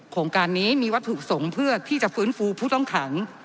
โครงการนี้มีวัตถุสงเพื่อที่จะฟื้นฟูผู้ต้องขัง